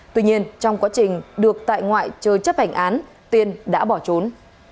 tuy nhiên trong quá trình được tại ngoại chờ chấp hành án tiên đã bỏ trốn